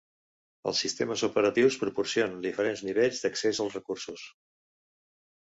Els sistemes operatius proporcionen diferents nivells d'accés als recursos.